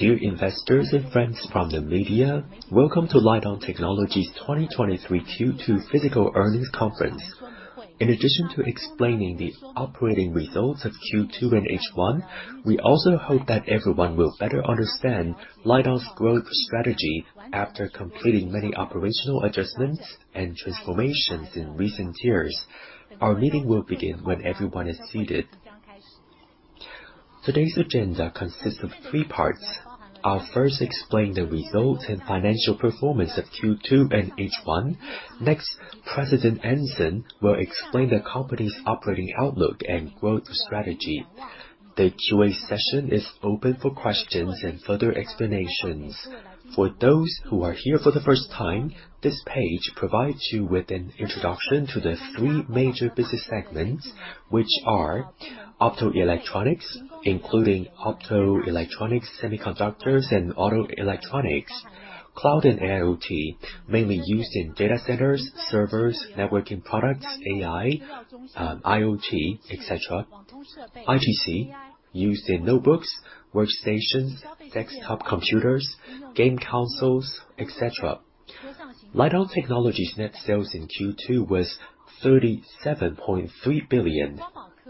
Dear investors and friends from the media, welcome to LITEON Technology's 2023 Q2 physical earnings conference. In addition to explaining the operating results of Q2 and H1, we also hope that everyone will better understand LITEON's growth strategy after completing many operational adjustments and transformations in recent years. Our meeting will begin when everyone is seated. Today's agenda consists of three parts. I'll first explain the results and financial performance of Q2 and H1. Next, President Anson will explain the company's operating outlook and growth strategy. The QA session is open for questions and further explanations. For those who are here for the first time, this page provides you with an introduction to the three major business segments, which are: Optoelectronics, including optoelectronics, opto-semiconductors, and Automotive Electronics; Cloud and IoT, mainly used in data centers, servers, networking products, AI, IoT, et cetera; IGC, used in notebooks, workstations, desktop computers, game consoles, et cetera. LITEON Technology's net sales in Q2 was $37.3 billion.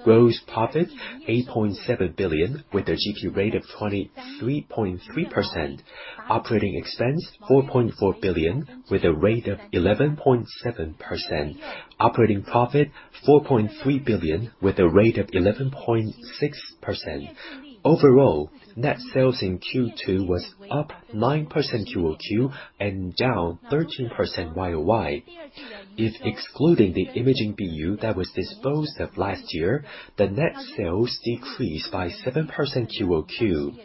Gross profit, $8.7 billion, with a GP rate of 23.3%. Operating expense, $4.4 billion, with a rate of 11.7%. Operating profit, $4.3 billion, with a rate of 11.6%. Overall, net sales in Q2 was up 9% QoQ and down 13% YoY. If excluding the imaging BU that was disposed of last year, the net sales decreased by 7% QoQ.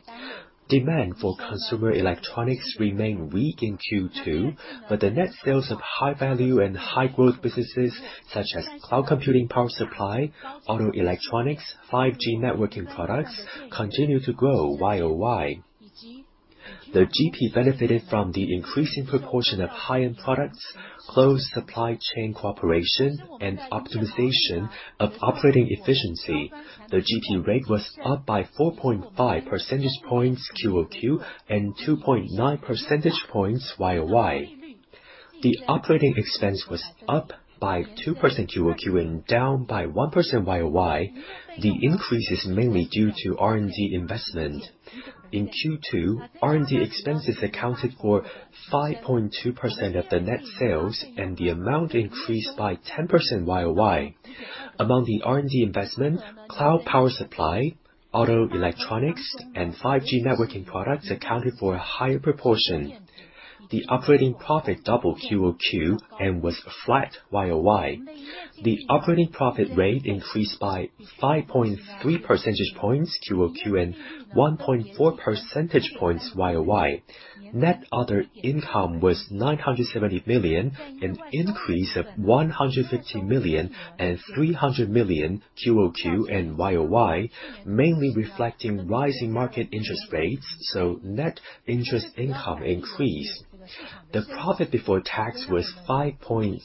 Demand for consumer electronics remained weak in Q2, but the net sales of high-value and high-growth businesses, such as cloud computing power supply, Automotive Electronics, 5G networking products, continue to grow YoY. The GP benefited from the increasing proportion of high-end products, close supply chain cooperation, and optimization of operating efficiency. The GP rate was up by 4.5 percentage points QoQ and 2.9 percentage points YoY. The operating expense was up by 2% QoQ and down by 1% YoY. The increase is mainly due to R&D investment. In Q2, R&D expenses accounted for 5.2% of the net sales, and the amount increased by 10% YoY. Among the R&D investment, cloud power supply, Automotive Electronics, and 5G networking products accounted for a higher proportion. The operating profit doubled QoQ and was flat YoY. The operating profit rate increased by 5.3 percentage points QoQ and 1.4 percentage points YoY. Net other income was $970 million, an increase of $150 million and $300 million QoQ and YoY, mainly reflecting rising market interest rates, so net interest income increased. The profit before tax was $5.3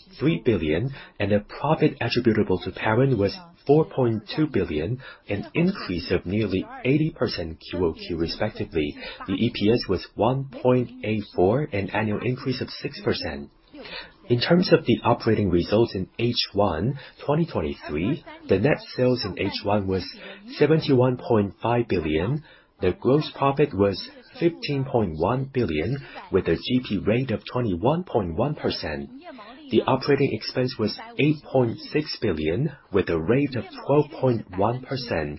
billion, and the profit attributable to parent was $4.2 billion, an increase of nearly 80% QoQ respectively. The EPS was $1.84, an annual increase of 6%. In terms of the operating results in H1 2023, the net sales in H1 was $71.5 billion. The gross profit was $15.1 billion, with a GP rate of 21.1%. The operating expense was $8.6 billion, with a rate of 12.1%.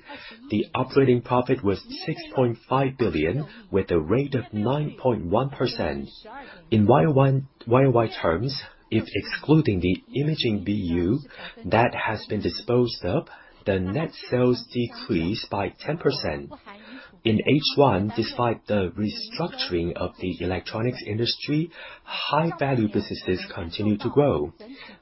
The operating profit was $6.5 billion, with a rate of 9.1%. In YoY terms, if excluding the imaging BU that has been disposed of, the net sales decreased by 10%. In H1, despite the restructuring of the electronics industry, high-value businesses continued to grow.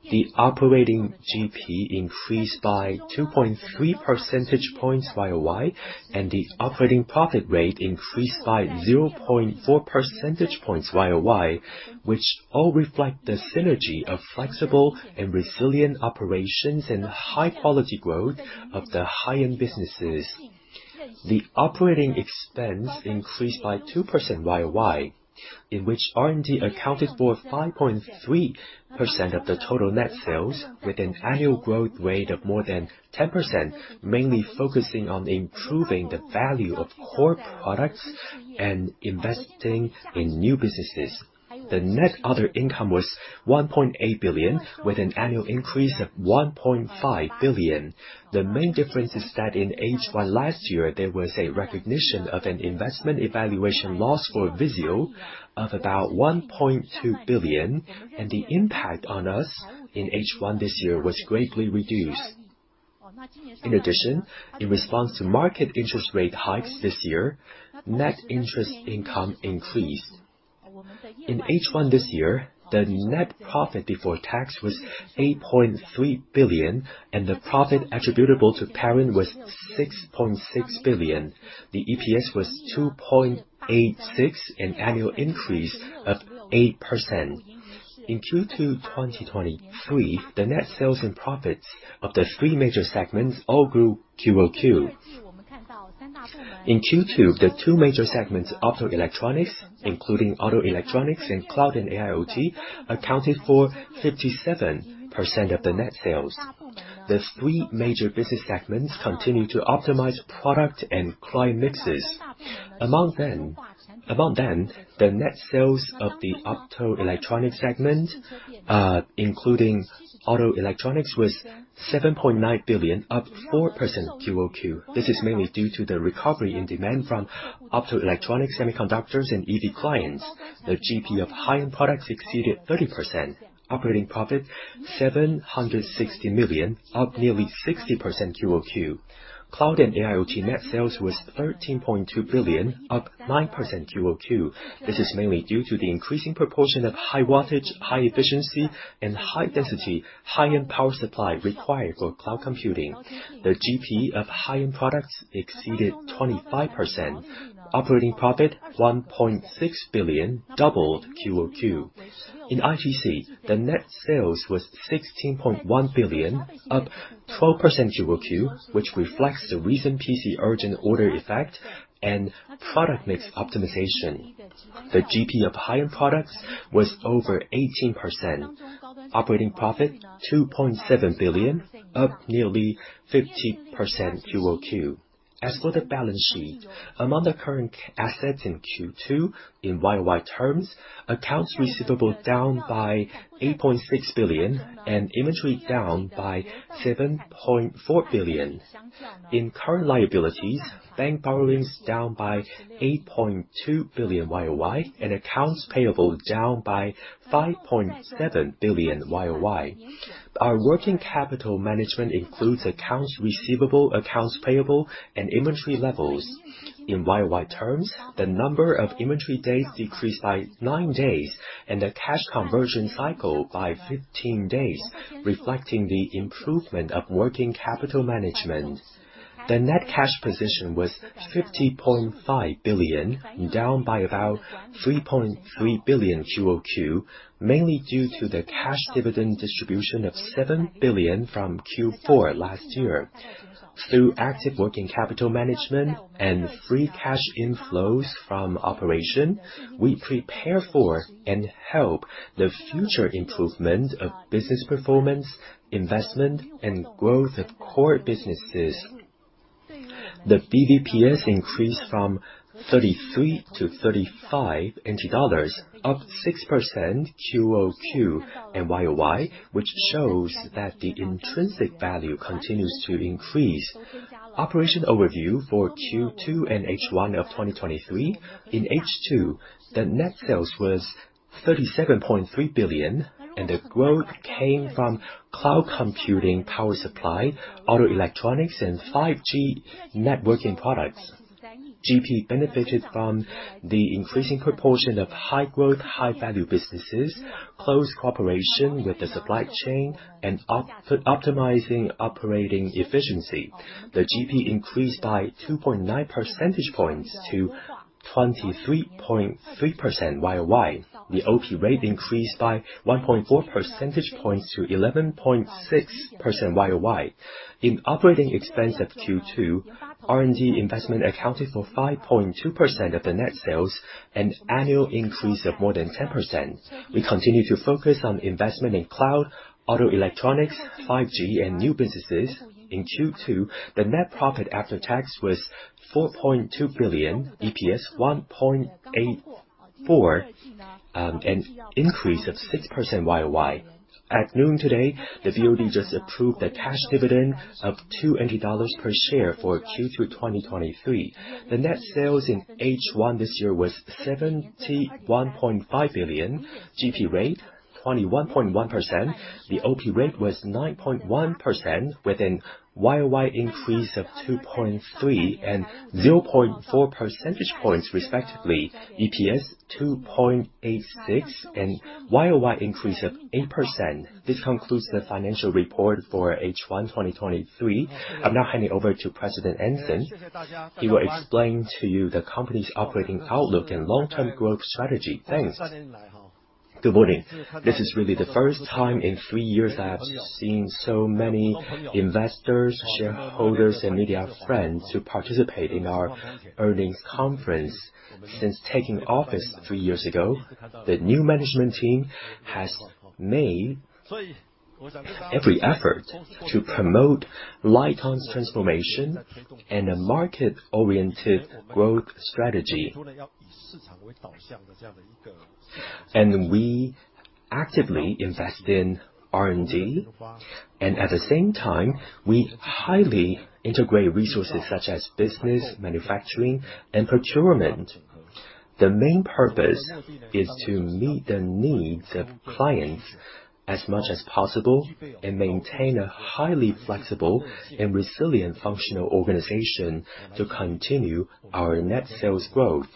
The operating GP increased by 2.3 percentage points YoY, and the operating profit rate increased by 0.4 percentage points YoY, which all reflect the synergy of flexible and resilient operations and high quality growth of the high-end businesses. The operating expense increased by 2% YoY, in which R&D accounted for 5.3% of the total net sales, with an annual growth rate of more than 10%, mainly focusing on improving the value of core products and investing in new businesses. The net other income was $1.8 billion, with an annual increase of $1.5 billion. The main difference is that in H1 last year, there was a recognition of an investment evaluation loss for Vizio of about $1.2 billion, and the impact on us in H1 this year was greatly reduced. In addition, in response to market interest rate hikes this year, net interest income increased. In H1 this year, the net profit before tax was $8.3 billion, and the profit attributable to parent was $6.6 billion. The EPS was 2.86, an annual increase of 8%. In Q2 2023, the net sales and profits of the three major segments all grew QoQ. In Q2, the two major segments, Optoelectronics, including Automotive Electronics and cloud and AIoT, accounted for 57% of the net sales. The three major business segments continue to optimize product and client mixes. Among them, among them, the net sales of the Optoelectronics segment, including Automotive Electronics, was $7.9 billion, up 4% QoQ. This is mainly due to the recovery in demand from Optoelectronics, opto-semiconductors, and EV clients. The GP of high-end products exceeded 30%, operating profit $760 million, up nearly 60% QoQ. Cloud and AIoT net sales was $13.2 billion, up 9% QoQ. This is mainly due to the increasing proportion of high wattage, high efficiency, and high density, high-end power supply required for cloud computing. The GP of high-end products exceeded 25%, operating profit $1.6 billion, doubled QoQ. In IGC, the net sales was $16.1 billion, up 12% QoQ, which reflects the recent PC urgent order effect and product mix optimization. The GP of high-end products was over 18%. Operating profit, $2.7 billion, up nearly 50% QoQ. As for the balance sheet, among the current assets in Q2, in YoY terms, accounts receivable down by $8.6 billion and inventory down by $7.4 billion. In current liabilities, bank borrowings down by $8.2 billion YoY, accounts payable down by $5.7 billion YoY. Our working capital management includes accounts receivable, accounts payable, and inventory levels. In YoY terms, the number of inventory days decreased by nine days, and the cash conversion cycle by 15 days, reflecting the improvement of working capital management. The net cash position was $50.5 billion, down by about $3.3 billion QoQ, mainly due to the cash dividend distribution of $7 billion from Q4 last year. Through active working capital management and free cash inflows from operation, we prepare for and help the future improvement of business performance, investment, and growth of core businesses. The BDPS increased from NT$ 33 to NT$ 35, up 6% QoQ and YoY, which shows that the intrinsic value continues to increase. Operation overview for Q2 and H1 of 2023. In H2, the net sales was NT$ 37.3 billion. The growth came from cloud computing, power supply, Automotive Electronics, and 5G networking products. GP benefited from the increasing proportion of high growth, high value businesses, close cooperation with the supply chain, and optimizing operating efficiency. The GP increased by 2.9 percentage points to 23.3% YoY. The OP rate increased by 1.4 percentage points to 11.6% YoY. In operating expense of Q2, R&D investment accounted for 5.2% of the net sales, an annual increase of more than 10%. We continue to focus on investment in cloud, Automotive Electronics, 5G, and new businesses. In Q2, the net profit after tax was 4.2 billion, EPS 1.84, an increase of 6% YoY. At noon today, the BOD just approved a cash dividend of 2 per share for Q2, 2023. The net sales in H1 this year was 71.5 billion, GP rate 21.1%. The OP rate was 9.1%, with a YoY increase of 2.3 and 0.4 percentage points, respectively. EPS 2.86, a YoY increase of 8%. This concludes the financial report for H1, 2023. I'm now handing over to President Anson. He will explain to you the company's operating outlook and long-term growth strategy. Thanks. Good morning. This is really the first time in three years I've seen so many investors, shareholders, and media friends who participate in our earnings conference. Since taking office three years ago, the new management team has made every effort to promote LITE-ON's transformation and a market-oriented growth strategy. We actively invest in R&D, and at the same time, we highly integrate resources such as business, manufacturing, and procurement. The main purpose is to meet the needs of clients as much as possible and maintain a highly flexible and resilient functional organization to continue our net sales growth.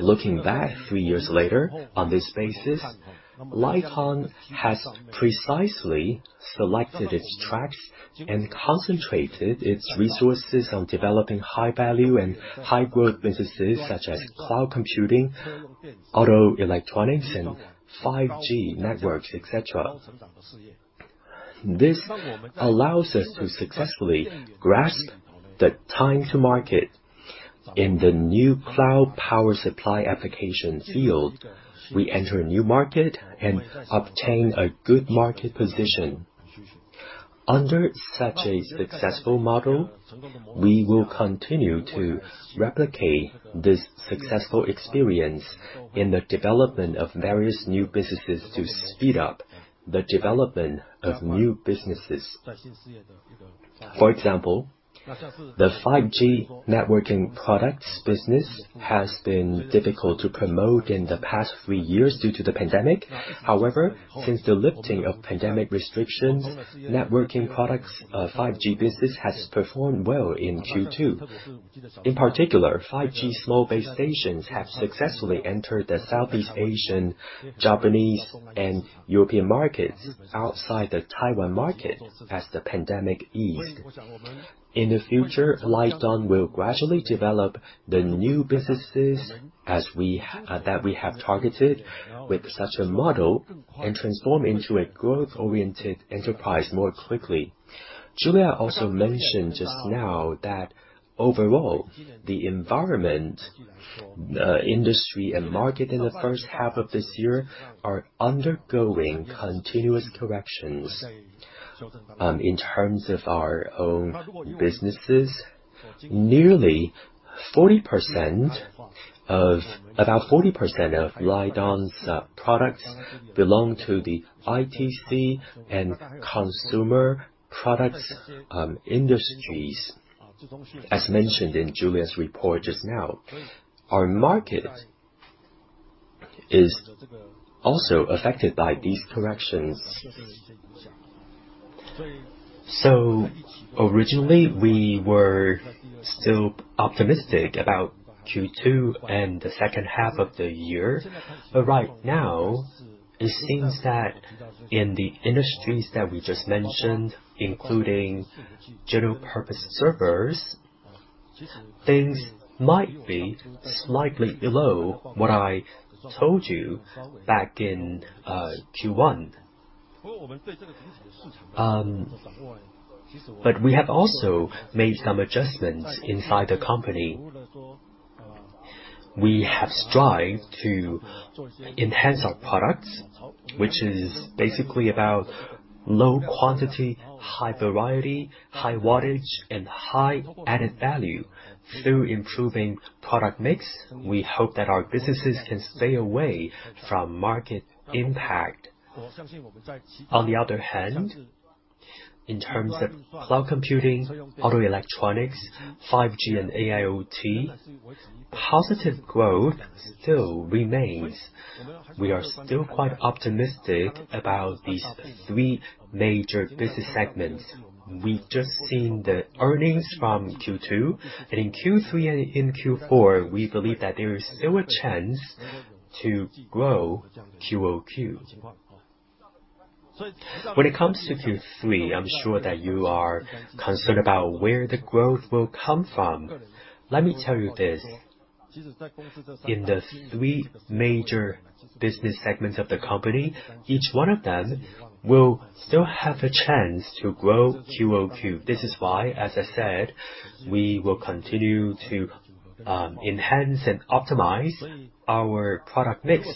Looking back three years later, on this basis, LITEON has precisely selected its tracks and concentrated its resources on developing high-value and high-growth businesses such as cloud computing, Automotive Electronics, and 5G networks, et cetera. This allows us to successfully grasp the time to market. In the new cloud power supply application field, we enter a new market and obtain a good market position. Under such a successful model, we will continue to replicate this successful experience in the development of various new businesses to speed up the development of new businesses. For example, the 5G networking products business has been difficult to promote in the past three years due to the pandemic. Since the lifting of pandemic restrictions, networking products, 5G business has performed well in Q2. In particular, 5G small base stations have successfully entered the Southeast Asian, Japanese and European markets outside the Taiwan market as the pandemic eased. In the future, LITEON will gradually develop the new businesses that we have targeted with such a model, and transform into a growth-oriented enterprise more quickly. Julia also mentioned just now that overall, the environment, industry, and market in the first half of this year are undergoing continuous corrections. In terms of our own businesses, nearly 40% of-- about 40% of LITEON's products belong to the ITC and consumer products industries. As mentioned in Julia's report just now, our market is also affected by these corrections. Originally, we were still optimistic about Q2 and the second half of the year. Right now, it seems that in the industries that we just mentioned, including general purpose servers, things might be slightly below what I told you back in Q1. We have also made some adjustments inside the company. We have strived to enhance our products, which is basically about low quantity, high variety, high wattage, and high added value. Through improving product mix, we hope that our businesses can stay away from market impact. On the other hand, in terms of cloud computing, Automotive Electronics, 5G and AIOT, positive growth still remains. We are still quite optimistic about these three major business segments. We've just seen the earnings from Q2, and in Q3 and in Q4, we believe that there is still a chance to grow QoQ. When it comes to Q3, I'm sure that you are concerned about where the growth will come from. Let me tell you this. In the three major business segments of the company, each one of them will still have a chance to grow QoQ. This is why, as I said, we will continue to enhance and optimize our product mix.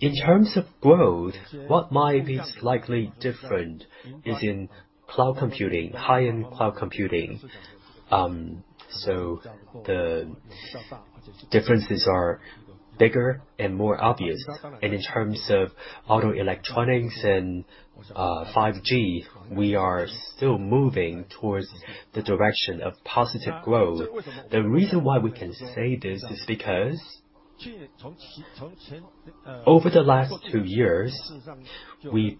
In terms of growth, what might be slightly different is in cloud computing, high-end cloud computing. The differences are bigger and more obvious. In terms of Automotive Electronics and 5G, we are still moving towards the direction of positive growth. The reason why we can say this is because, over the last two years, we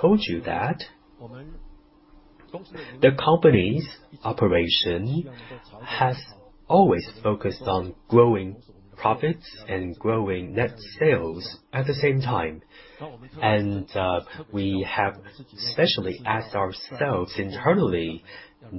told you that the company's operation has always focused on growing profits and growing net sales at the same time. We have specially asked ourselves internally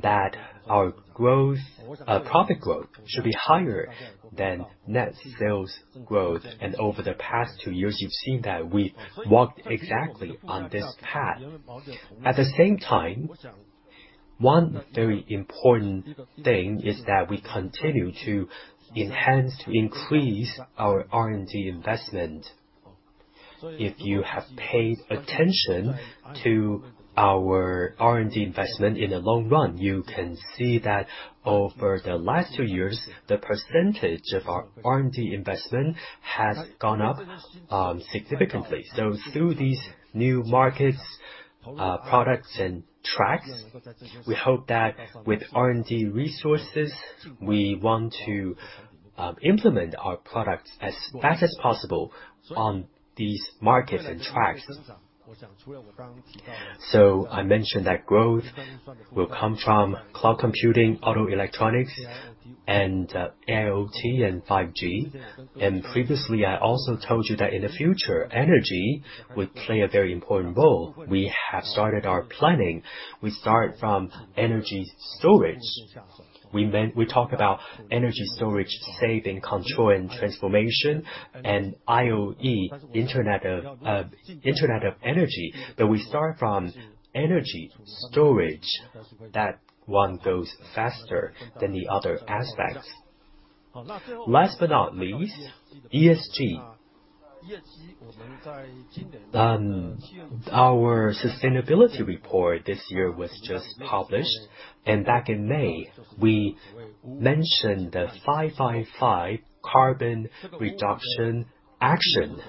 that our growth, profit growth should be higher than net sales growth. Over the past two years, you've seen that we've walked exactly on this path. At the same time, one very important thing is that we continue to enhance, to increase our R&D investment. If you have paid attention to our R&D investment in the long run, you can see that over the last two years, the percentage of our R&D investment has gone up significantly. Through these new markets, products and tracks, we hope that with R&D resources, we want to implement our products as fast as possible on these markets and tracks. I mentioned that growth will come from cloud computing, Automotive Electronics, and IoT and 5G. Previously, I also told you that in the future, energy will play a very important role. We have started our planning. We start from energy storage. We talk about energy storage, save and control, and transformation, and IoE, Internet of Energy. We start from energy storage. That one goes faster than the other aspects. Last but not least, ESG. Our sustainability report this year was just published, and back in May, we mentioned the 5-by-5 carbon reduction action.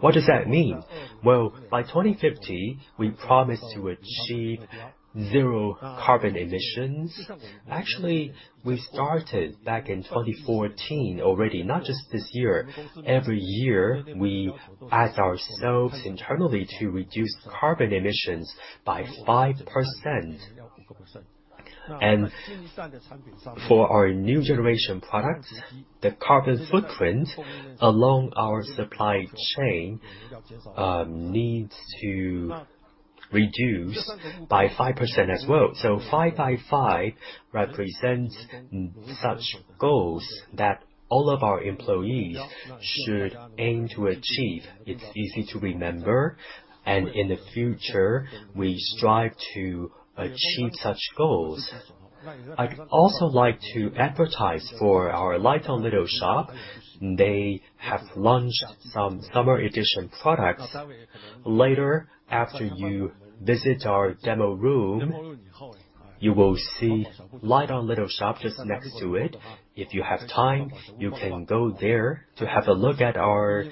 What does that mean? Well, by 2050, we promise to achieve zero carbon emissions. Actually, we started back in 2014 already, not just this year. Every year, we ask ourselves internally to reduce carbon emissions by 5%. For our new generation products, the carbon footprint along our supply chain needs to reduce by 5% as well. 5-by-5 represents such goals that all of our employees should aim to achieve. It's easy to remember, and in the future, we strive to achieve such goals. I'd also like to advertise for our LITEON Little Shop. They have launched some summer edition products. Later, after you visit our demo room, you will see LITEON Little Shop just next to it. If you have time, you can go there to have a look at our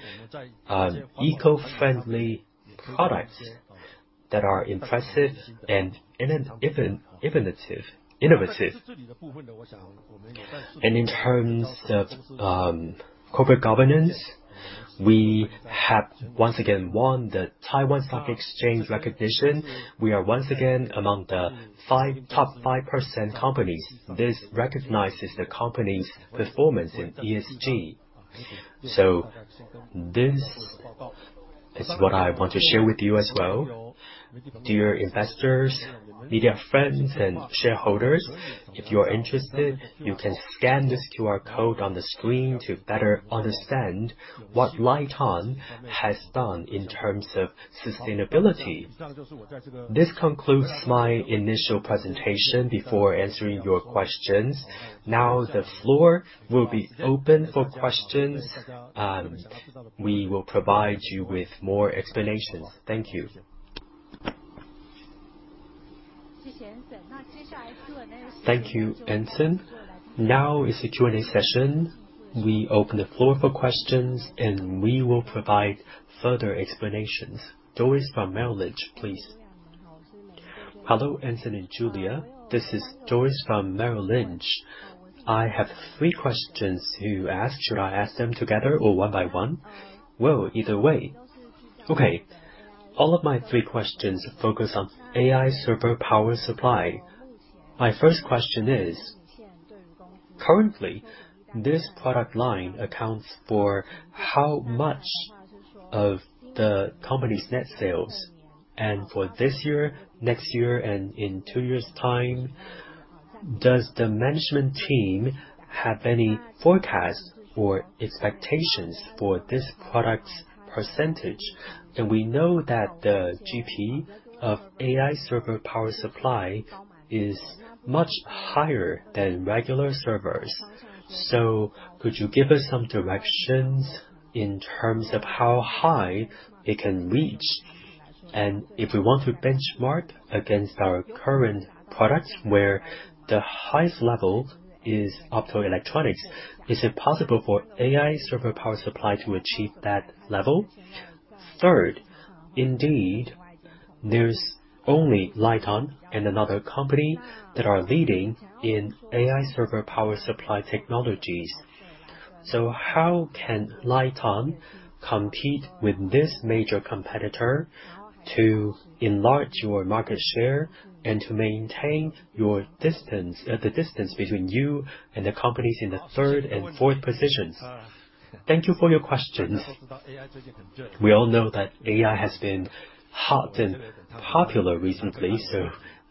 eco-friendly products that are impressive and inno-inno-innovative, innovative. In terms of corporate governance, we have once again won the Taiwan Stock Exchange recognition. We are once again among the five-- top 5% companies. This recognizes the company's performance in ESG. This is what I want to share with you as well. Dear investors, media friends, and shareholders, if you are interested, you can scan this QR code on the screen to better understand what LITEON has done in terms of sustainability. This concludes my initial presentation before answering your questions. The floor will be open for questions, and we will provide you with more explanations. Thank you. Thank you, Anson. The QA session. We open the floor for questions, and we will provide further explanations. Dorris from Merrill Lynch, please. Hello, Anson and Julia. This is Dorris from Merrill Lynch. I have three questions to ask. Should I ask them together or one by one? Well, either way. Okay. All of my three questions focus on AI server power supply. My first question is: currently, this product line accounts for how much of the company's net sales? For this year, next year, and in two years' time, does the management team have any forecasts or expectations for this product's percentage? We know that the GP of AI server power supply is much higher than regular servers. Could you give us some directions in terms of how high it can reach? If we want to benchmark against our current products, where the highest level is Optoelectronics, is it possible for AI server power supply to achieve that level? Third, indeed, there's only LITEON and another company that are leading in AI server power supply technologies. How can LITEON compete with this major competitor to enlarge your market share and to maintain your distance, the distance between you and the companies in the third and fourth positions? Thank you for your questions. We all know that AI has been hot and popular recently,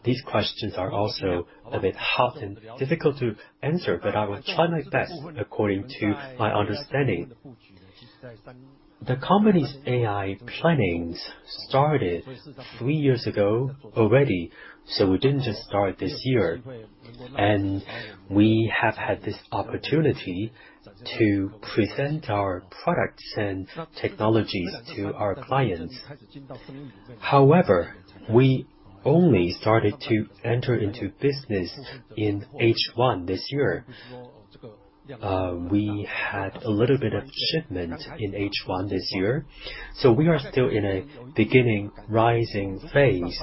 these questions are also a bit hot and difficult to answer, but I will try my best according to my understanding. The company's AI plannings started three years ago already, so we didn't just start this year, and we have had this opportunity to present our products and technologies to our clients. However, we only started to enter into business in H1 this year. We had a little bit of shipment in H1 this year, so we are still in a beginning rising phase.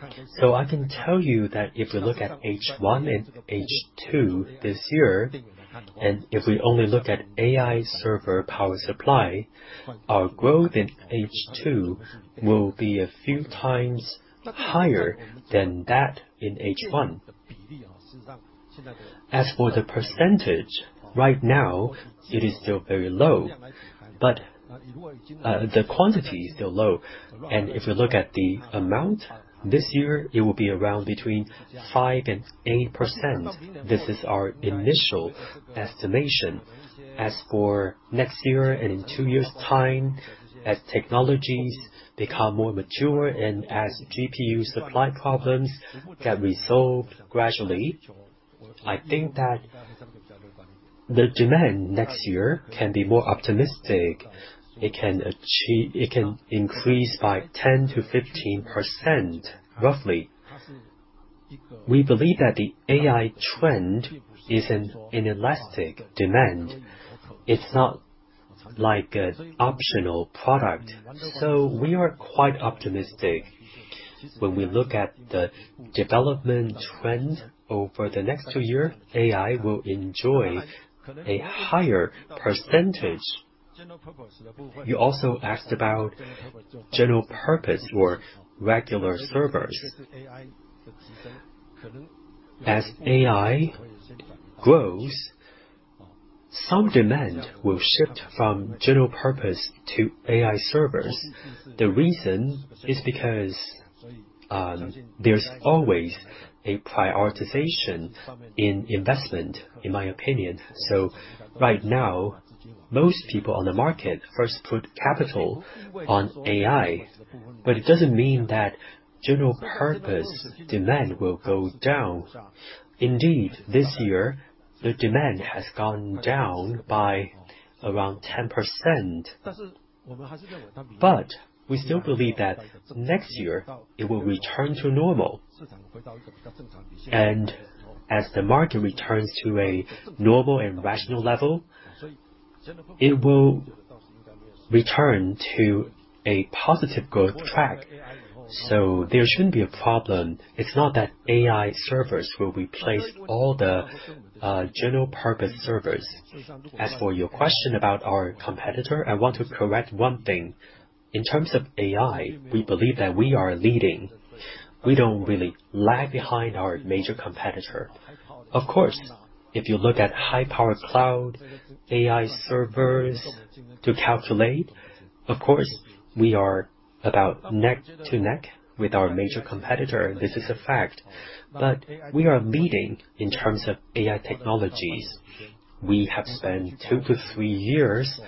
I can tell you that if you look at H1 and H2 this year, and if we only look at AI server power supply, our growth in H2 will be a few times higher than that in H1. As for the percentage, right now, it is still very low, but the quantity is still low. If you look at the amount, this year, it will be around between 5% and 8%. This is our initial estimation. As for next year and in two years' time, as technologies become more mature and as GPU supply problems get resolved gradually, I think that the demand next year can be more optimistic. It can increase by 10%-15%, roughly. We believe that the AI trend is an inelastic demand. It's not like an optional product. We are quite optimistic. When we look at the development trend over the next two years, AI will enjoy a higher percentage. You also asked about general purpose or regular servers. As AI grows, some demand will shift from general purpose to AI servers. The reason is because there's always a prioritization in investment, in my opinion. Right now, most people on the market first put capital on AI, but it doesn't mean that general purpose demand will go down. Indeed, this year, the demand has gone down by around 10%. We still believe that next year, it will return to normal. As the market returns to a normal and rational level, it will return to a positive growth track, so there shouldn't be a problem. It's not that AI servers will replace all the general purpose servers. As for your question about our competitor, I want to correct one thing. In terms of AI, we believe that we are leading. We don't really lag behind our major competitor. Of course, if you look at high-power cloud, AI servers to calculate, of course, we are about neck to neck with our major competitor. This is a fact, but we are leading in terms of AI technologies. We have spent two years-three years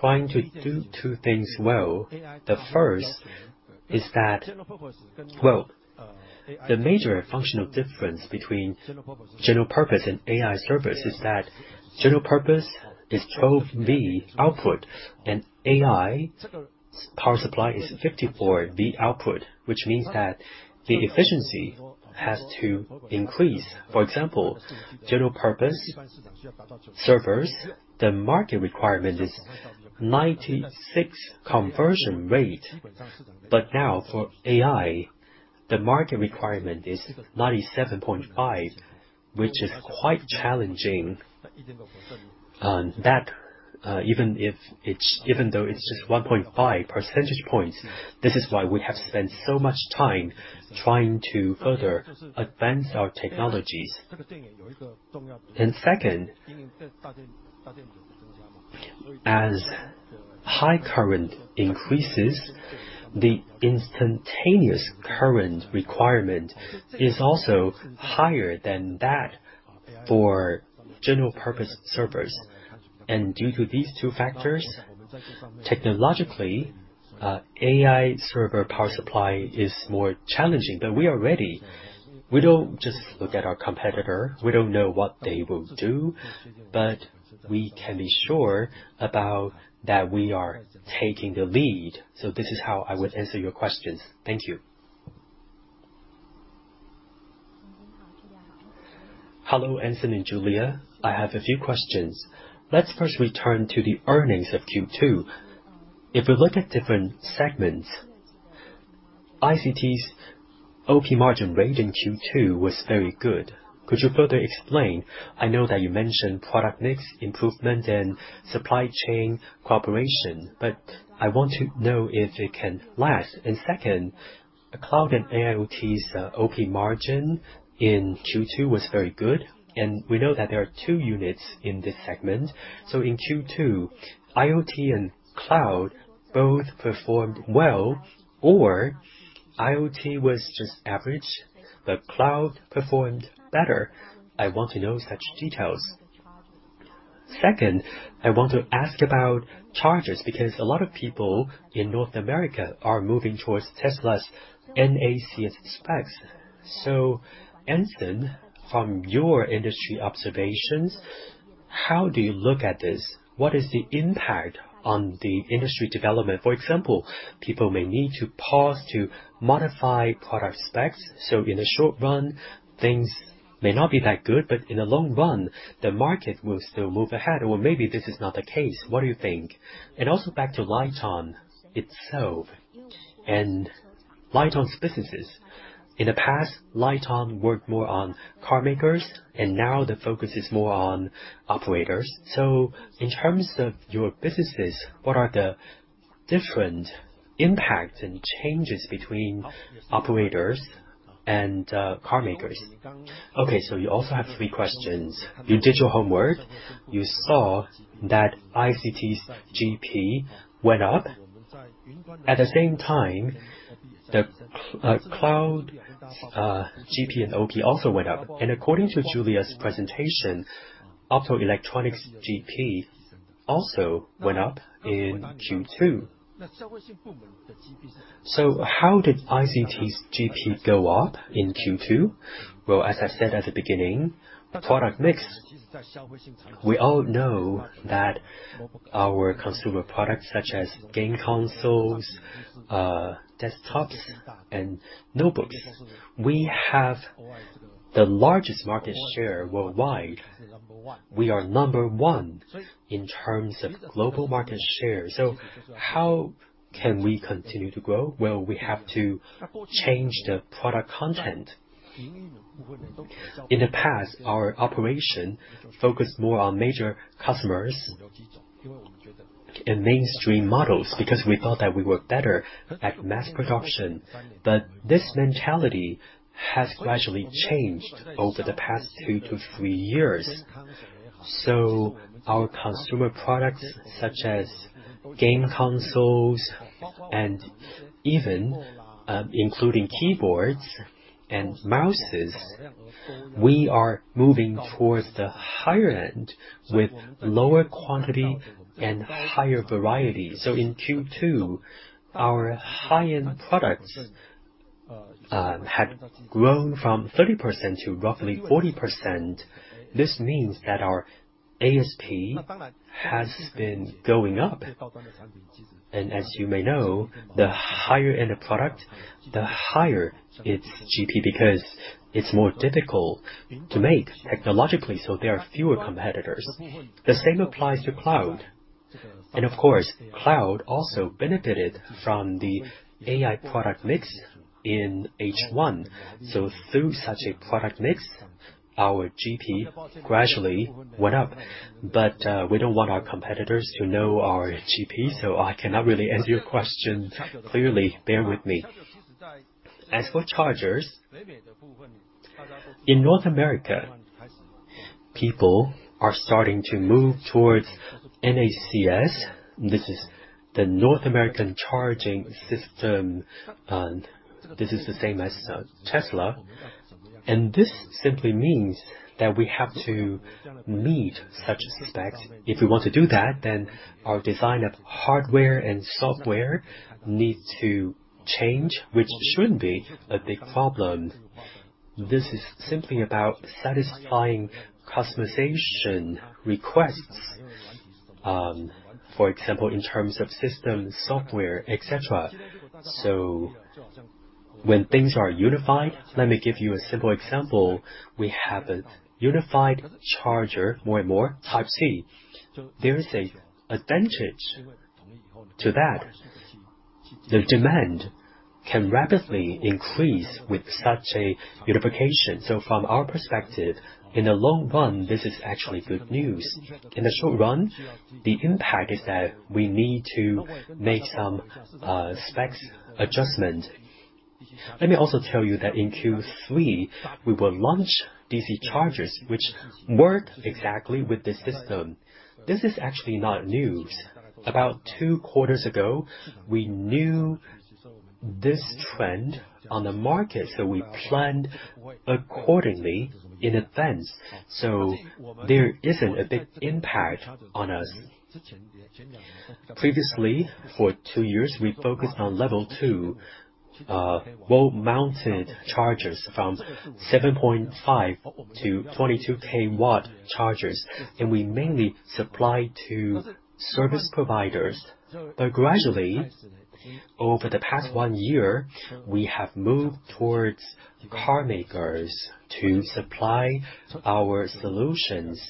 trying to do two things well. The first is that... Well, the major functional difference between general purpose and AI servers is that general purpose is 12 V output, and AI power supply is 54 V output, which means that the efficiency has to increase. For example, general purpose servers, the market requirement is 96% conversion rate, but now for AI, the market requirement is 97.5%, which is quite challenging. Even though it's just 1.5 percentage points, this is why we have spent so much time trying to further advance our technologies. Second, as high current increases, the instantaneous current requirement is also higher than that for general purpose servers. Due to these two factors, technologically, AI server power supply is more challenging, but we are ready. We don't just look at our competitor. We don't know what they will do, but we can be sure about that we are taking the lead. This is how I would answer your questions. Thank you. Hello, Anson and Julia, I have a few questions. Let's first return to the earnings of Q2. If we look at different segments, ICT's OP margin rate in Q2 was very good. Could you further explain? I know that you mentioned product mix, improvement, and supply chain cooperation, but I want to know if it can last. Second, Cloud and AIoT's OP margin in Q2 was very good, and we know that there are two units in this segment. In Q2, IoT and Cloud both performed well, or IoT was just average, but Cloud performed better. I want to know such details. Second, I want to ask about charges, because a lot of people in North America are moving towards Tesla's NACS specs. Anson, from your industry observations, how do you look at this? What is the impact on the industry development? For example, people may need to pause to modify product specs, so in the short run, things may not be that good, but in the long run, the market will still move ahead, or maybe this is not the case. What do you think? Also back to LITEON itself and LITEON's businesses. In the past, LITEON worked more on car makers, and now the focus is more on operators. In terms of your businesses, what are the-... different impacts and changes between operators and car makers. Okay, you also have three questions. You did your homework. You saw that ICT's GP went up. At the same time, the cloud, GP and OP also went up. According to Julia's presentation, Automotive Electronics GP also went up in Q2. How did ICT's GP go up in Q2? Well, as I said at the beginning, product mix. We all know that our consumer products, such as game consoles, desktops, and notebooks, we have the largest market share worldwide. We are number one in terms of global market share. How can we continue to grow? Well, we have to change the product content. In the past, our operation focused more on major customers and mainstream models, because we thought that we were better at mass production. This mentality has gradually changed over the past two years to three years. Our consumer products, such as game consoles and even, including keyboards and mouses, we are moving towards the higher end with lower quantity and higher variety. In Q2, our high-end products had grown from 30% to roughly 40%. This means that our ASP has been going up. As you may know, the higher-end the product, the higher its GP, because it's more difficult to make technologically, so there are fewer competitors. The same applies to cloud. Of course, cloud also benefited from the AI product mix in H1. Through such a product mix, our GP gradually went up. We don't want our competitors to know our GP, so I cannot really answer your question clearly. Bear with me. Chargers, in North America, people are starting to move towards NACS. This is the North American Charging System, and this is the same as Tesla. This simply means that we have to meet such specs. If we want to do that, then our design of hardware and software needs to change, which shouldn't be a big problem. This is simply about satisfying customization requests, for example, in terms of system, software, et cetera. When things are unified... Let me give you a simple example. We have a unified charger, more and more, type C. There is a advantage to that. The demand can rapidly increase with such a unification. From our perspective, in the long run, this is actually good news. In the short run, the impact is that we need to make some specs adjustment. Let me also tell you that in Q3, we will launch D.C. chargers, which work exactly with this system. This is actually not news. About two quarters ago, we knew this trend on the market. We planned accordingly in advance. There isn't a big impact on us. Previously, for two years, we focused on level two wall-mounted chargers from 7.5 KW to 22 kW chargers. We mainly supplied to service providers. Gradually, over the past one year, we have moved towards car makers to supply our solutions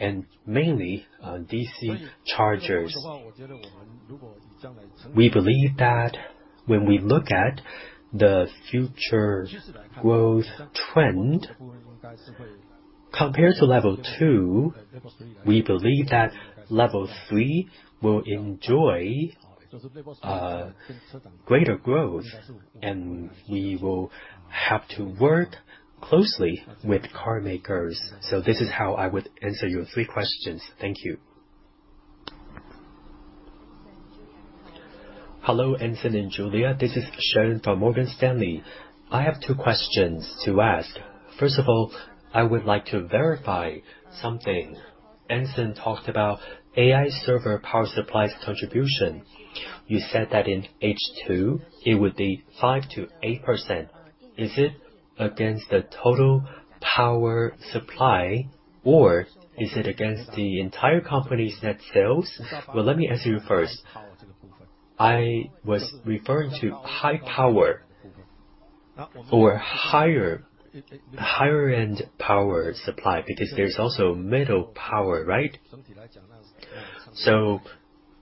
and mainly on DC chargers. We believe that when we look at the future growth trend, compared to level two, we believe that level three will enjoy greater growth. We will have to work closely with car makers. This is how I would answer your three questions. Thank you. Hello, Anson and Julia, this is Sharon from Morgan Stanley. I have two questions to ask. First of all, I would like to verify something. Anson talked about AI server power supplies contribution. You said that in H2, it would be 5%-8%. Is it against the total power supply, or is it against the entire company's net sales? Let me answer you first. I was referring to high power or higher, higher-end power supply, because there's also middle power, right?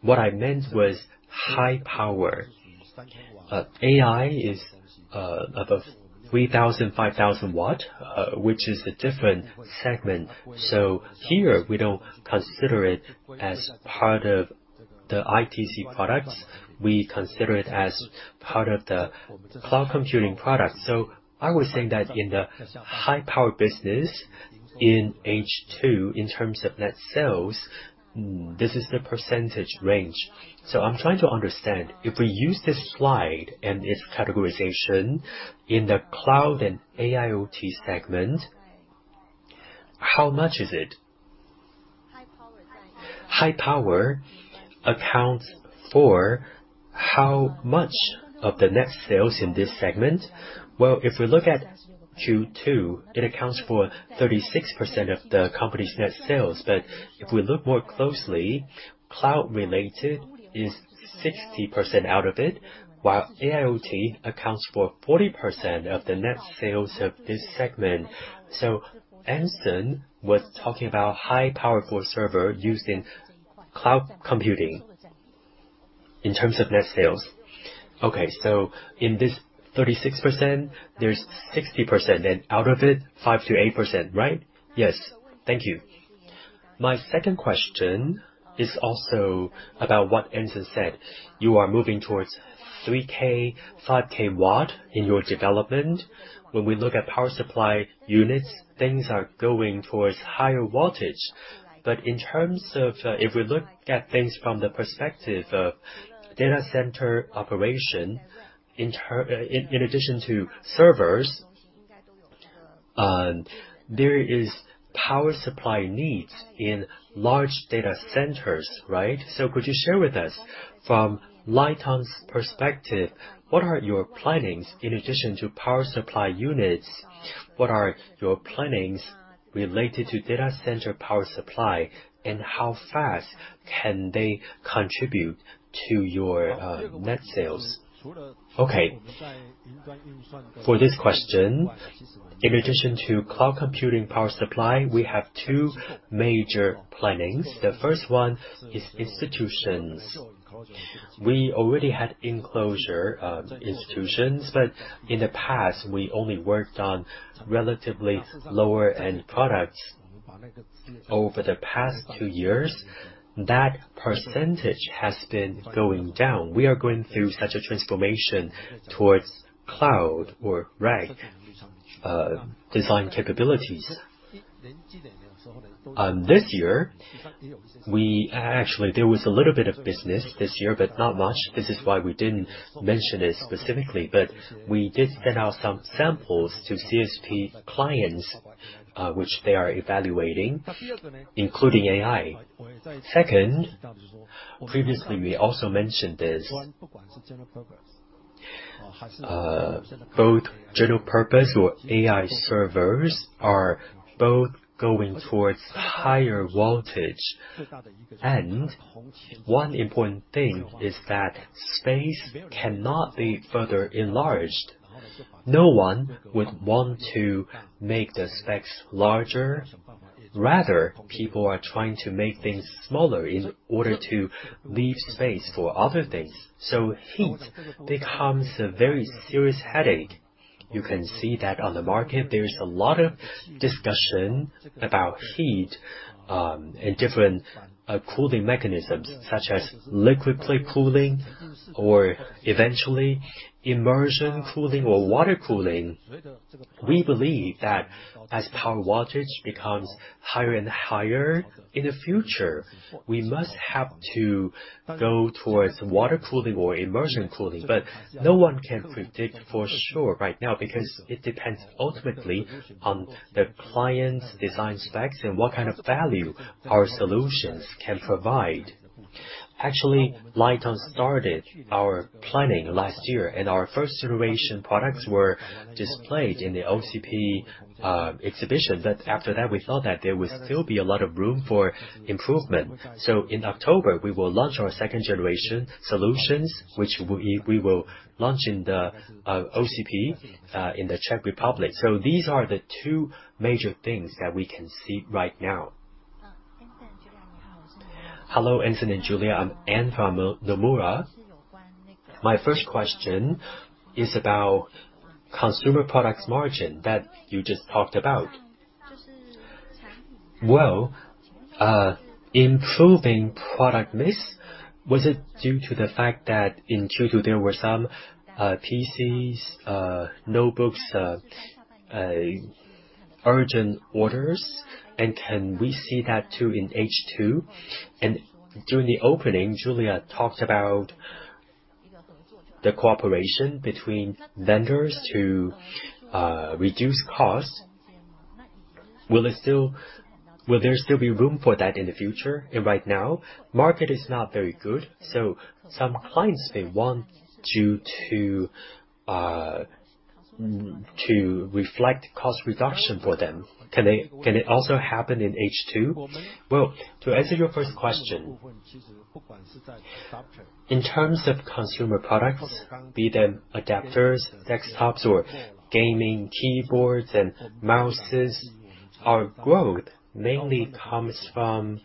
What I meant was high power. AI is above 3,000, 5,000 watt, which is a different segment. Here, we don't consider it as part of the ITC products, we consider it as part of the cloud computing product. I was saying that in the high power business in H2, in terms of net sales, this is the percentage range. I'm trying to understand, if we use this slide and its categorization in the cloud and AIOT segment, how much is it? High power. High power accounts for how much of the net sales in this segment? Well, if we look at Q2, it accounts for 36% of the company's net sales. If we look more closely, cloud related is 60% out of it, while AIOT accounts for 40% of the net sales of this segment. Anson was talking about high power for server used in cloud computing, in terms of net sales. Okay, in this 36%, there's 60%, and out of it, 5%-8%, right? Yes. Thank you. My second question is also about what Anson said. You are moving towards 3K, 5K watt in your development. When we look at power supply units, things are going towards higher voltage. In terms of if we look at things from the perspective of data center operation, in addition to servers, there is power supply needs in large data centers, right? Could you share with us from LITEON's perspective, what are your plannings in addition to power supply units, what are your plannings related to data center power supply, and how fast can they contribute to your net sales? Okay. For this question, in addition to cloud computing power supply, we have two major plannings. The first one is institutions. We already had enclosure institutions, but in the past, we only worked on relatively lower-end products. Over the past two years, that percentage has been going down. We are going through such a transformation towards cloud or rack design capabilities. This year, actually, there was a little bit of business this year, but not much. This is why we didn't mention it specifically, but we did send out some samples to CSP clients, which they are evaluating, including AI. Second, previously, we also mentioned this, both general purpose or AI servers are both going towards higher voltage. One important thing is that space cannot be further enlarged. No one would want to make the specs larger. Rather, people are trying to make things smaller in order to leave space for other things. Heat becomes a very serious headache. You can see that on the market, there is a lot of discussion about heat, and different cooling mechanisms, such as liquid cooling or eventually immersion cooling or water cooling. We believe that as power voltage becomes higher and higher in the future, we must have to go towards water cooling or immersion cooling. No one can predict for sure right now, because it depends ultimately on the client's design specs and what kind of value our solutions can provide. Actually, LITEON started our planning last year, and our first generation products were displayed in the OCP exhibition. After that, we thought that there would still be a lot of room for improvement. In October, we will launch our second generation solutions, which we, we will launch in the OCP in the Czech Republic. These are the two major things that we can see right now. Hello, Anson and Julia, I'm Anne from Nomura. My first question is about consumer products margin that you just talked about. Well, improving product mix, was it due to the fact that in Q2, there were some PCs, notebooks, urgent orders? Can we see that, too, in H2? During the opening, Julia talked about the cooperation between vendors to reduce costs. Will there still be room for that in the future? Right now, market is not very good, so some clients, they want you to reflect cost reduction for them. Can it, can it also happen in H2? Well, to answer your first question, in terms of consumer products, be them adapters, desktops, or gaming keyboards and mouses, our growth mainly comes from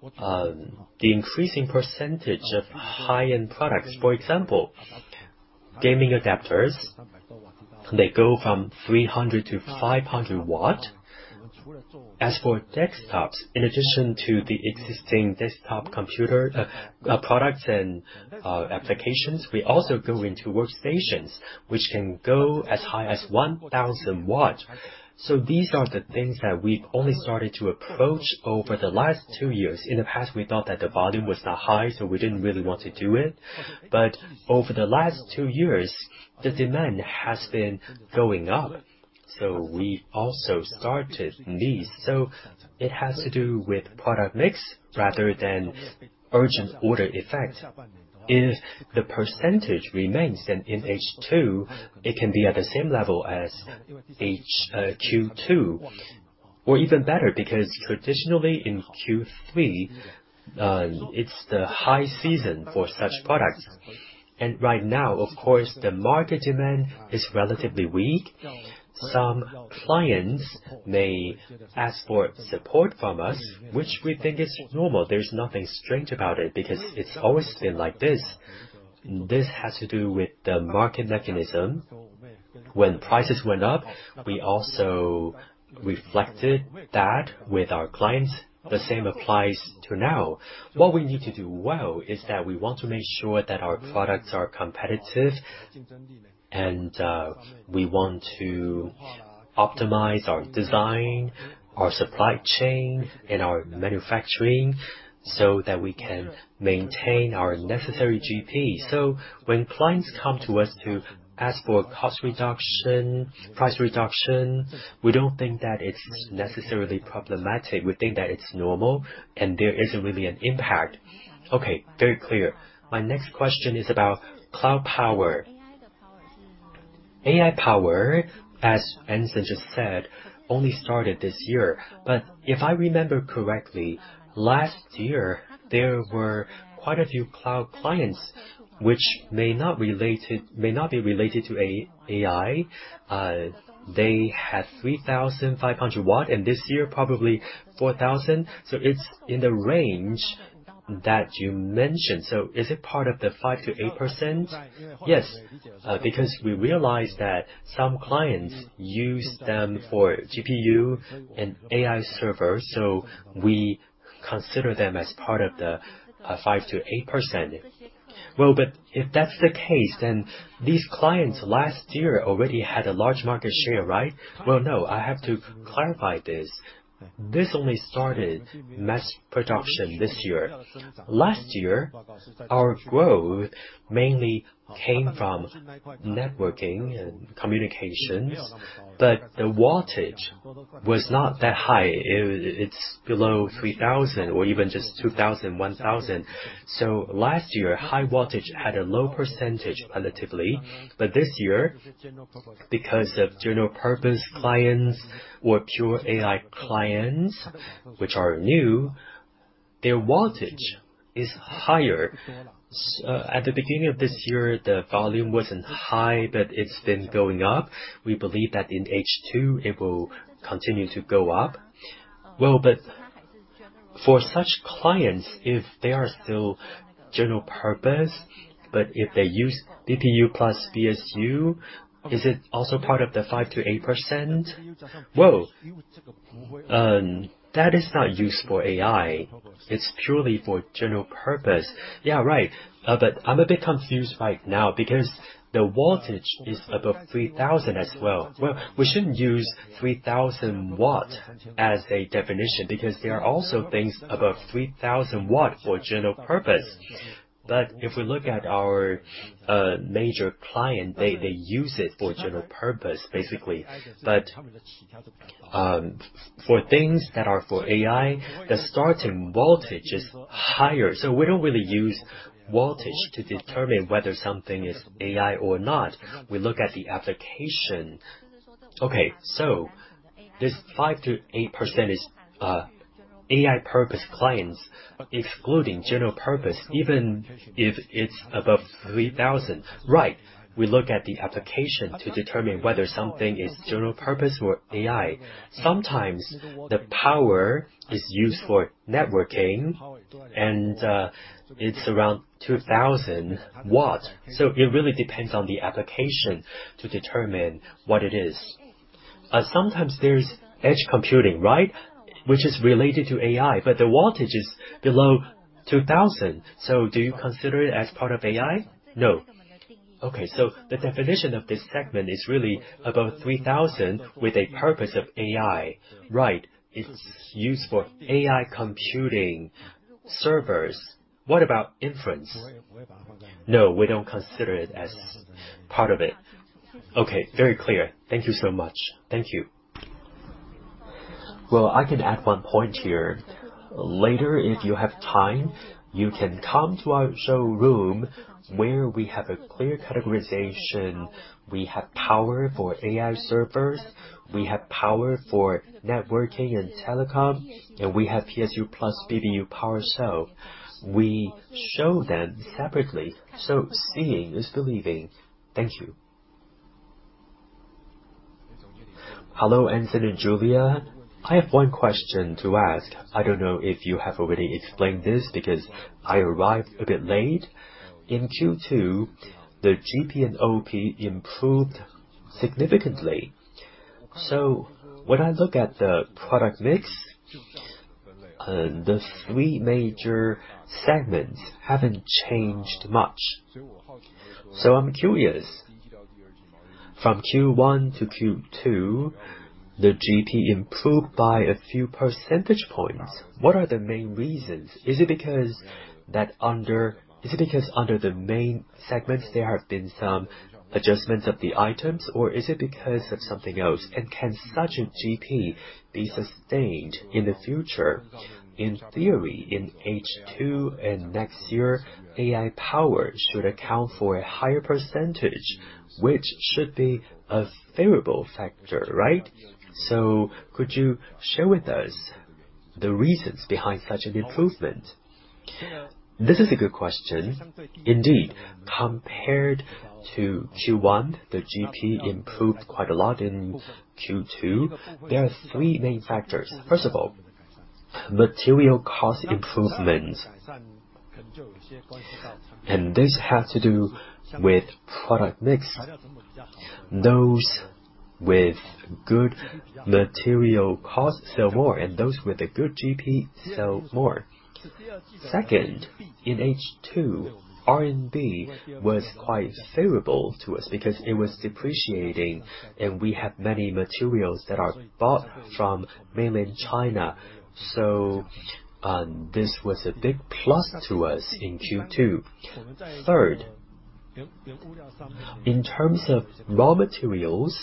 the increasing percentage of high-end products. For example, gaming adapters. They go from 300 W to 500 W. As for desktops, in addition to the existing desktop computer, products and applications, we also go into workstations, which can go as high as 1,000 W. These are the things that we've only started to approach over the last two years. In the past, we thought that the volume was not high, so we didn't really want to do it. Over the last two years, the demand has been going up, so we also started these. It has to do with product mix rather than urgent order effect. If the percentage remains, then in H2, it can be at the same level as Q2, or even better, because traditionally in Q3, it's the high season for such products. Right now, of course, the market demand is relatively weak. Some clients may ask for support from us, which we think is normal. There's nothing strange about it, because it's always been like this. This has to do with the market mechanism. When prices went up, we also reflected that with our clients. The same applies to now. What we need to do well is that we want to make sure that our products are competitive, and we want to optimize our design, our supply chain, and our manufacturing, so that we can maintain our necessary GP. When clients come to us to ask for cost reduction, price reduction, we don't think that it's necessarily problematic. We think that it's normal, and there isn't really an impact. Okay, very clear. My next question is about cloud power. AI power, as Anson just said, only started this year. If I remember correctly, last year there were quite a few cloud clients which may not be related to AI. They had 3,500 W, this year, probably 4,000 W. It's in the range that you mentioned. Is it part of the 5%-8%? Yes, because we realized that some clients use them for GPU and AI servers, so we consider them as part of the 5%-8%. If that's the case, these clients last year already had a large market share, right? No, I have to clarify this. This only started mass production this year. Last year, our growth mainly came from networking and communications, the wattage was not that high. It's below 3,000 W or even just 2,000 W, 1,000 W. Last year, high wattage had a low percentage relatively, but this year, because of general purpose clients or pure AI clients, which are new, their wattage is higher. At the beginning of this year, the volume wasn't high, but it's been going up. We believe that in H2, it will continue to go up. For such clients, if they are still general purpose, but if they use DPU plus CPU, is it also part of the 5%-8%? That is not used for AI. It's purely for general purpose. Yeah, right. I'm a bit confused right now, because the wattage is above 3,000 W as well. We shouldn't use 3,000 W as a definition, because there are also things above 3,000 W for general purpose. If we look at our major client, they, they use it for general purpose, basically. For things that are for AI, the starting voltage is higher, so we don't really use voltage to determine whether something is AI or not. We look at the application. Okay, this 5%-8% is AI purpose clients, excluding general purpose, even if it's above 3,000 W. Right. We look at the application to determine whether something is general purpose or AI. Sometimes the power is used for networking, and it's around 2,000 W. It really depends on the application to determine what it is. Sometimes there's edge computing, right? Which is related to AI, but the wattage is below 2,000 W. Do you consider it as part of AI? No. Okay, the definition of this segment is really above 3,000 W with a purpose of AI. Right. It's used for AI computing servers. What about inference? No, we don't consider it as part of it. Okay. Very clear. Thank you so much. Thank you. Well, I can add one point here. Later, if you have time, you can come to our showroom, where we have a clear categorization. We have power for AI servers, we have power for networking and telecom, and we have PSU plus PBU power. We show them separately. Seeing is believing. Thank you. Hello, Anson and Julia. I have one question to ask. I don't know if you have already explained this, because I arrived a bit late. In Q2, the GP and OP improved significantly. When I look at the product mix, the three major segments haven't changed much. I'm curious, from Q1 to Q2, the GP improved by a few percentage points. What are the main reasons? Is it because under the main segments, there have been some adjustments of the items, or is it because of something else? Can such a GP be sustained in the future? In theory, in H2 and next year, AI power should account for a higher percentage, which should be a favorable factor, right? Could you share with us the reasons behind such an improvement? This is a good question. Indeed, compared to Q1, the GP improved quite a lot in Q2. There are three main factors. First of all, material cost improvements. This has to do with product mix. Those with good material cost sell more, and those with a good GP sell more. Second, in H2, RMB was quite favorable to us because it was depreciating, and we have many materials that are bought from mainland China. This was a big plus to us in Q2. Third, in terms of raw materials,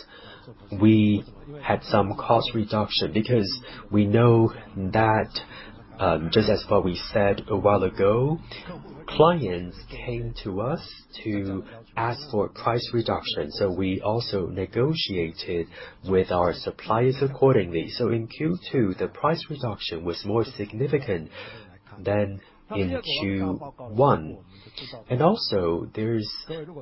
we had some cost reduction because we know that, just as what we said a while ago, clients came to us to ask for price reduction, we also negotiated with our suppliers accordingly. In Q2, the price reduction was more significant than in Q1. There's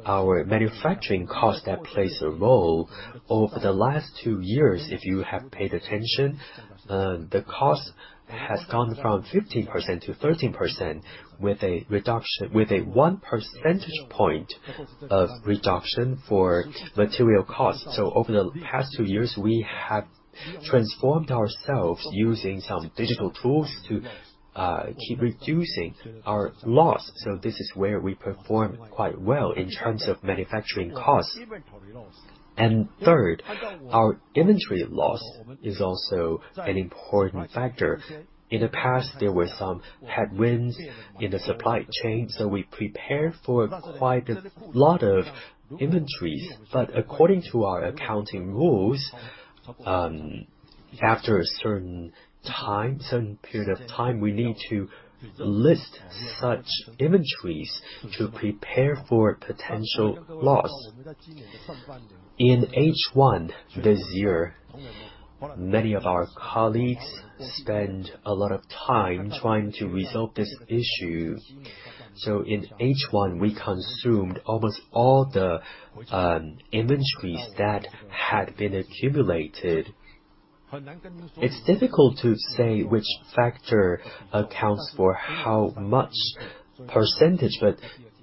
our manufacturing cost that plays a role. Over the last two years, if you have paid attention, the cost has gone from 15% to 13%, with a one percentage point of reduction for material costs. Over the past two years, we have transformed ourselves using some digital tools to keep reducing our loss. This is where we perform quite well in terms of manufacturing costs. Third, our inventory loss is also an important factor. In the past, there were some headwinds in the supply chain, so we prepared for quite a lot of inventories. According to our accounting rules, after a certain time, certain period of time, we need to list such inventories to prepare for potential loss. In H1 this year, many of our colleagues spent a lot of time trying to resolve this issue. In H1, we consumed almost all the inventories that had been accumulated. It's difficult to say which factor accounts for how much percentage, but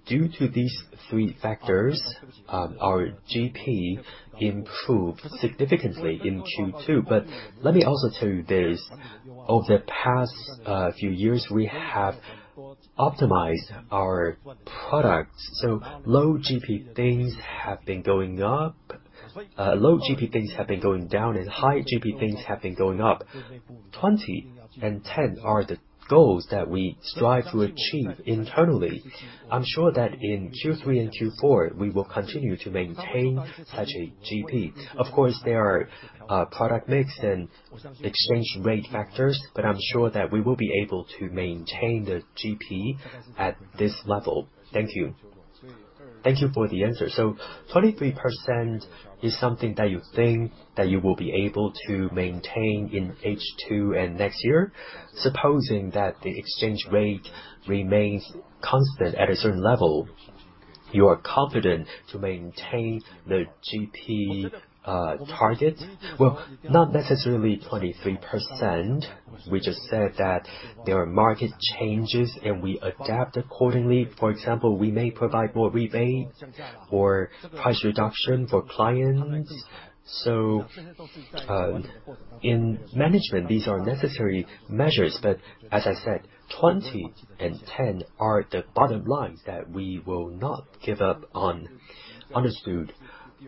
due to these three factors, our GP improved significantly in Q2. Let me also tell you this, over the past few years, we have optimized our products, so low GP things have been going up... Low GP things have been going down, and high GP things have been going up. 20 and 10 are the goals that we strive to achieve internally. I'm sure that in Q3 and Q4, we will continue to maintain such a GP. Of course, there are product mix and exchange rate factors, but I'm sure that we will be able to maintain the GP at this level. Thank you. Thank you for the answer. 23% is something that you think that you will be able to maintain in H2 and next year? Supposing that the exchange rate remains constant at a certain level, you are confident to maintain the GP target? Well, not necessarily 23%. We just said that there are market changes, and we adapt accordingly. For example, we may provide more rebate or price reduction for clients. In management, these are necessary measures. As I said, 20 and 10 are the bottom lines that we will not give up on. Understood.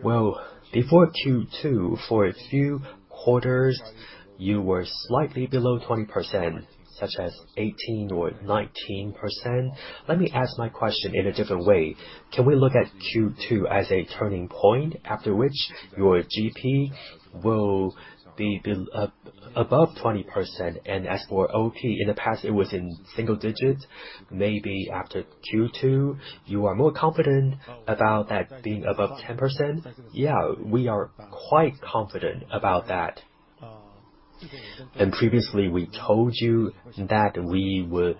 Well, before Q2, for a few quarters, you were slightly below 20%, such as 18% or 19%. Let me ask my question in a different way. Can we look at Q2 as a turning point, after which your GP will be above 20%? As for OP, in the past, it was in single digits. Maybe after Q2, you are more confident about that being above 10%. Yeah, we are quite confident about that. Previously, we told you that we would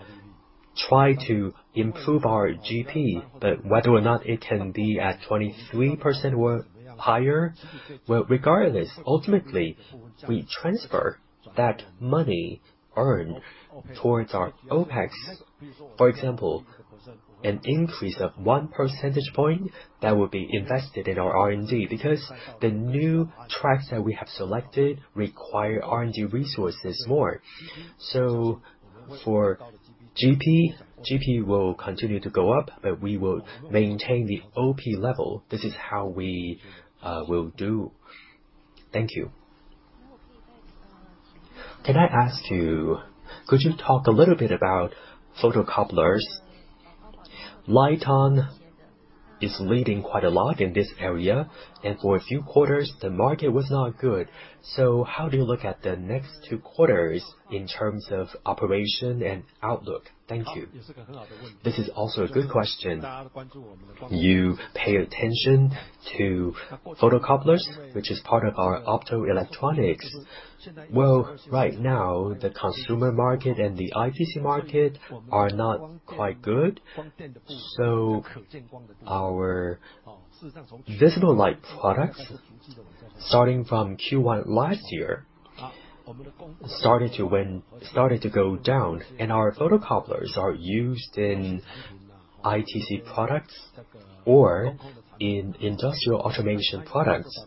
try to improve our GP, but whether or not it can be at 23% or higher, well, regardless, ultimately, we transfer that money earned towards our OpEx. For example, an increase of 1 percentage point that will be invested in our R&D, because the new tracks that we have selected require R&D resources more. For GP, GP will continue to go up, but we will maintain the OP level. This is how we will do. Thank you. Can I ask you, could you talk a little bit about photocouplers? LITEON is leading quite a lot in this area, and for a few quarters, the market was not good. How do you look at the next two quarters in terms of operation and outlook? Thank you. This is also a good question. You pay attention to photocouplers, which is part of our Optoelectronics. Right now, the consumer market and the ITC market are not quite good. Our visible light products, starting from Q1 last year, started to go down. Our photocouplers are used in ITC products or in industrial automation products.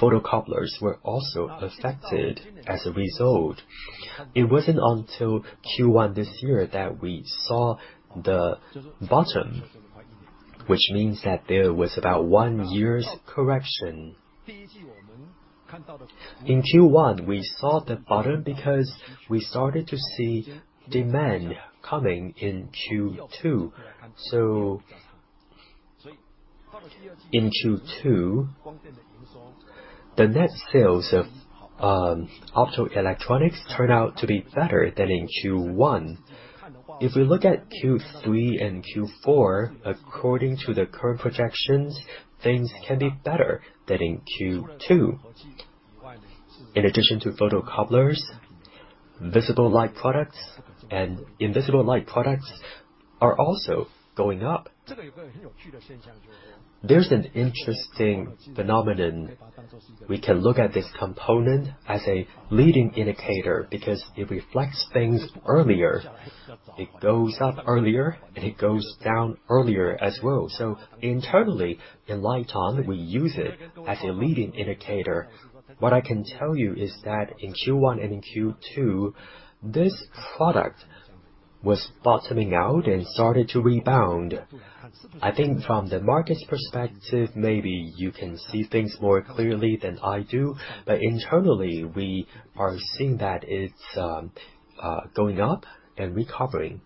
Photocouplers were also affected as a result. It wasn't until Q1 this year that we saw the bottom, which means that there was about one year's correction. In Q1, we saw the bottom because we started to see demand coming in Q2. In Q2, the net sales of Optoelectronics turned out to be better than in Q1. If we look at Q3 and Q4, according to the current projections, things can be better than in Q2. In addition to photocouplers, visible light products and invisible light products are also going up. There's an interesting phenomenon. We can look at this component as a leading indicator because it reflects things earlier. It goes up earlier, and it goes down earlier as well. Internally, in LITEON, we use it as a leading indicator. What I can tell you is that in Q1 and in Q2, this product was bottoming out and started to rebound. I think from the market's perspective, maybe you can see things more clearly than I do, but internally, we are seeing that it's going up and recovering.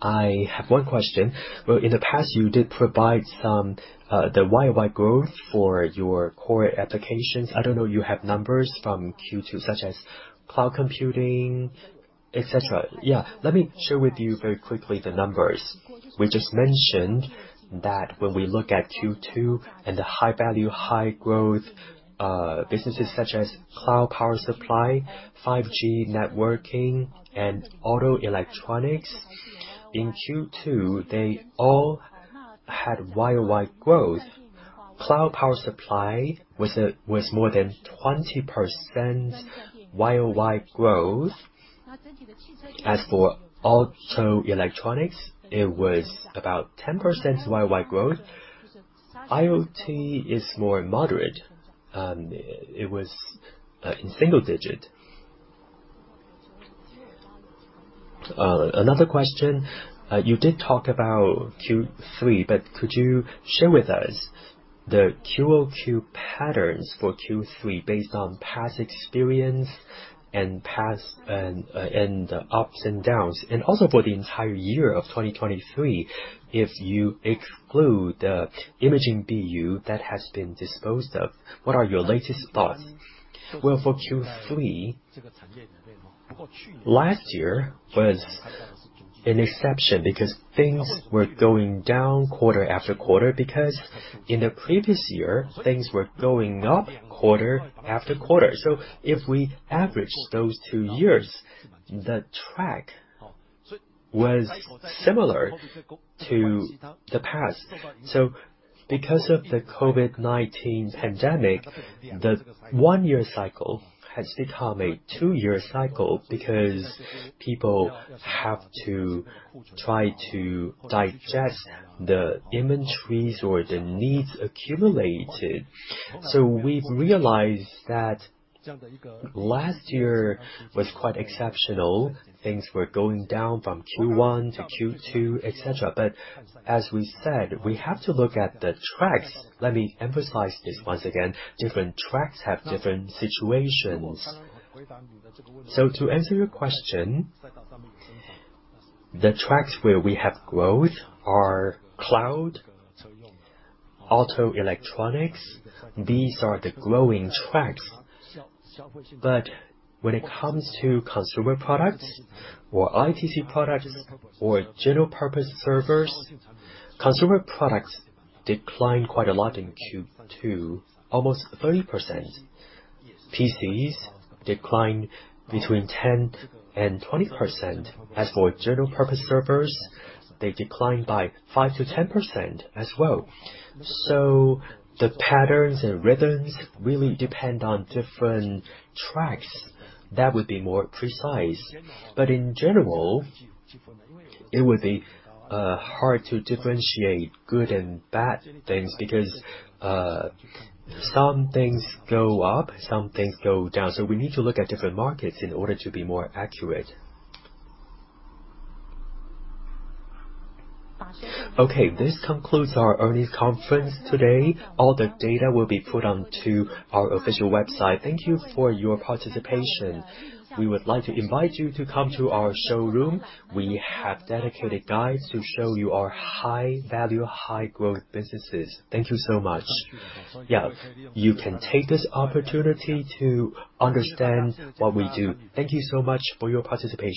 I have one question. Well, in the past, you did provide some the YoY growth for your core applications. I don't know if you have numbers from Q2, such as cloud computing, et cetera. Let me share with you very quickly the numbers. We just mentioned that when we look at Q2 and the high-value, high-growth, businesses such as cloud power supply, 5G networking, and Automotive Electronics, in Q2, they all had YoY growth. Cloud power supply was a, was more than 20% YoY growth. As for Automotive Electronics, it was about 10% YoY growth. IoT is more moderate, and it was, in single digit. Another question. You did talk about Q3, but could you share with us the QoQ patterns for Q3 based on past experience and past... and, and, ups and downs, and also for the entire year of 2023, if you exclude the imaging BU that has been disposed of, what are your latest thoughts? Well, for Q3, last year was an exception because things were going down quarter-after-quarter, because in the previous year, things were going up quarter-after-quarter. If we average those two years, the track was similar to the past. Because of the COVID-19 pandemic, the one-year cycle has become a two-year cycle because people have to try to digest the inventories or the needs accumulated. We've realized that last year was quite exceptional. Things were going down from Q1 to Q2, et cetera. As we said, we have to look at the tracks. Let me emphasize this once again, different tracks have different situations. To answer your question, the tracks where we have growth are cloud, Automotive Electronics. These are the growing tracks. When it comes to consumer products or ITC products or general purpose servers, consumer products declined quite a lot in Q2, almost 30%. PCs declined between 10% and 20%. As for general purpose servers, they declined by 5%-10% as well. The patterns and rhythms really depend on different tracks. That would be more precise. In general, it would be hard to differentiate good and bad things because some things go up, some things go down. We need to look at different markets in order to be more accurate. Okay, this concludes our earnings conference today. All the data will be put onto our official website. Thank you for your participation. We would like to invite you to come to our showroom. We have dedicated guides to show you our high-value, high-growth businesses. Thank you so much. Yeah. You can take this opportunity to understand what we do. Thank you so much for your participation.